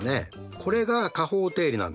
これが加法定理なんです。